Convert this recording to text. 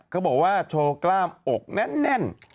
เขาบอกว่าโชว์กล้ามอกแน่น